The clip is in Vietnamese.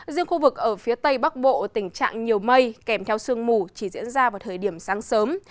riêng khu vực ở phía tây bắc bộ tình trạng nhiều mây kèm theo sương mù chỉ diễn ra vào thời điểm sáng sớm